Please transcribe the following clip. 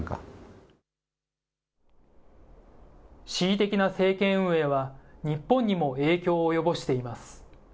恣意的な政権運営は、日本にも影響を及ぼしています。